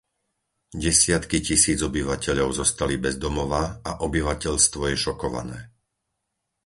Desiatky tisíc obyvateľov zostali bez domova a obyvateľstvo je šokované.